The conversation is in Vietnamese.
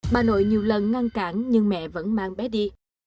bà nội nhiều lần ngăn cản nhưng mẹ vẫn mang bé đi